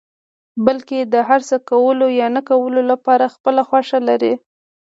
بلکې د هر څه کولو يا نه کولو لپاره خپله خوښه لري.